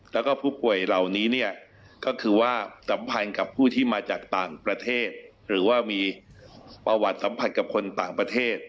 แล้วก็ผู้ป่วยเหล่านี้เนี่ยก็คือว่าสัมผัสกับผู้ที่มาจากต่างประเทศ